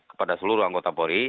kepada seluruh anggota polri